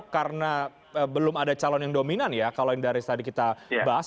karena belum ada calon yang dominan ya kalau yang dari tadi kita bahas